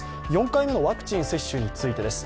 ４回目のワクチン接種についてです